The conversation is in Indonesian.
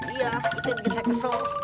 iya itu yang bikin saya kesel